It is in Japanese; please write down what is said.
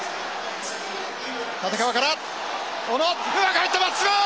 立川から小野うまく入った松島！